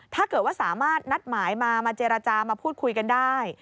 ถ้าเกิดว่าสามารถนัดหมายมามาเจรจามาพูดคุยกันได้